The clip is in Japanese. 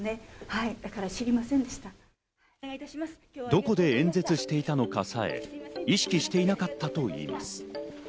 どこで演説していたのかさえ意識していなかったといいます。